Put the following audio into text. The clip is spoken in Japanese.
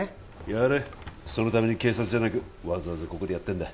やれそのために警察じゃなくわざわざここでやってんだ